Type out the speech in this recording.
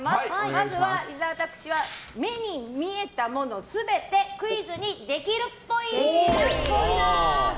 まずは、伊沢拓司は目に見えたもの全てクイズにできるっぽい。